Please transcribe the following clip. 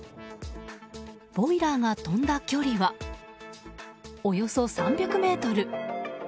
ボイラーが飛んだ距離はおよそ３００ｍ。